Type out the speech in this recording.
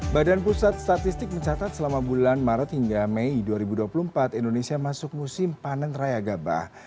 badan pusat statistik mencatat selama bulan maret hingga mei dua ribu dua puluh empat indonesia masuk musim panen raya gabah